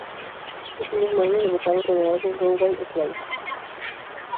Ese mismo año debutaron con el álbum "Runaway Slave".